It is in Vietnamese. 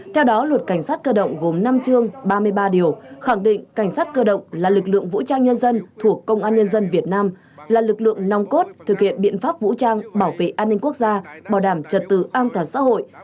theo đó luật cảnh sát cơ động gồm năm chương ba mươi ba điều khẳng định cảnh sát cơ động là lực lượng vũ trang nhân dân thuộc công an nhân dân việt nam là lực lượng nong cốt thực hiện biện pháp vũ trang bảo vệ an ninh quốc gia bảo đảm trật tự an toàn xã hội